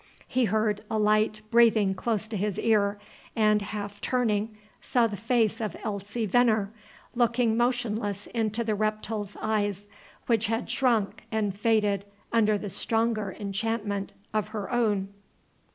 He heard a light breathing close to his ear, and, half turning, saw the face of Elsie Venner, looking motionless into the reptile's eyes, which had shrunk and faded under the stronger enchantment of her own.